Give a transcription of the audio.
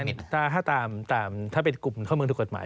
อันหนึ่งเกี่ยวกับถามถ้าเป็นกลุ่มเข้าเมืองปฏิกัตรหมาย